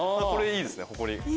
これいいですねホコリ。